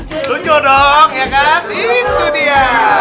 lucu dong ya kan itu dia